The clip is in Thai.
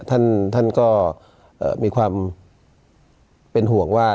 ท่านก็มีความเป็นห่วงว่า